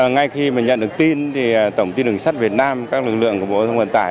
ngay khi mà nhận được tin thì tổng tin đường sắt việt nam các lực lượng của bộ thông vận tải